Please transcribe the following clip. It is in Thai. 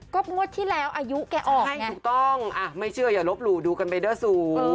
ก็งวดที่แล้วอายุแกออกใช่ไงถูกต้องไม่เชื่ออย่าลบหลู่ดูกันไปเด้อสูง